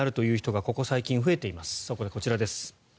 そこでこちらです。